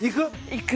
いく？